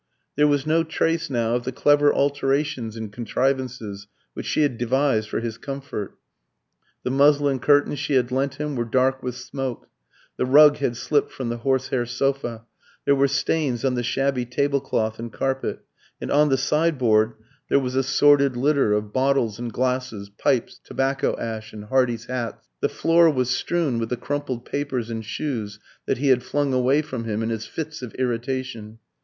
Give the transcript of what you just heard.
There was no trace now of the clever alterations and contrivances which she had devised for his comfort. The muslin curtains she had lent him were dark with smoke; the rug had slipped from the horsehair sofa; there were stains on the shabby tablecloth and carpet; and on the sideboard there was a sordid litter of bottles and glasses, pipes, tobacco ash, and Hardy's hats. The floor was strewn with the crumpled papers and shoes that he had flung away from him in his fits of irritation.